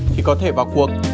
thì có thể vào cuộc